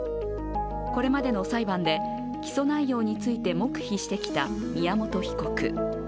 これまでの裁判で、起訴内容について黙秘してきた宮本被告。